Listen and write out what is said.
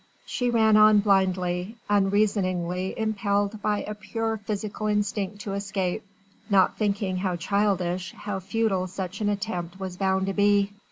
She ran on blindly, unreasoningly, impelled by a purely physical instinct to escape, not thinking how childish, how futile such an attempt was bound to be.